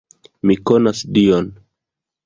Mi konas Dion!